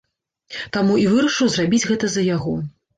Таму і вырашыў зрабіць гэта за яго.